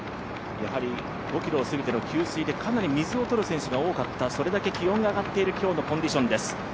５ｋｍを過ぎての給水で水を取る選手が多かったそれだけ気温が上がっている今日のコンディションです。